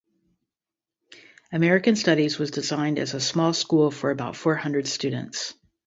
American Studies was designed as a small school for about four hundred students.